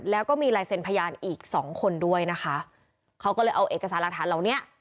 แล้วก็มีลายเซ็นพยานอีกสองคนด้วยนะคะเขาก็เลยเอาเอกสารหลักฐานเหล่านี้